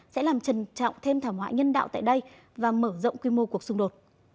sẽ làm trầm trọng thêm thảm họa nhân đạo tại đây và mở rộng quy mô cuộc xung đột